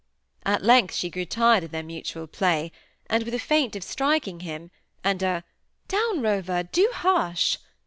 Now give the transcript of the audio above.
At length she grew tired of their mutual play, and with a feint of striking him, and a "Down, Rover! do hush!"